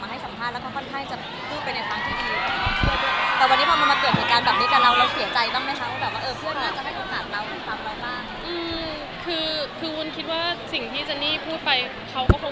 หลายคนจะรู้ว่าอุ๊นจะเป็นคน